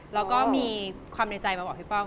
แล้วก็มีความในใจมาบอกพี่ป้อง